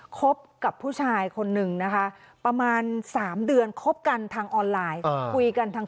คบกับผู้ชายคนนึงนะคะประมาณ๓เดือนคบกันทางออนไลน์คุยกันทาง